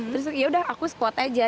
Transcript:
terus ya udah aku squat aja